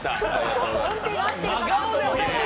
ちょっと音程が合ってるかなと。